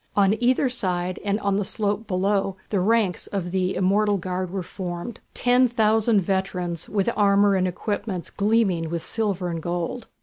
On either side and on the slope below the ranks of the "Immortal Guard" were formed, ten thousand veterans, with armour and equipments gleaming with silver and gold.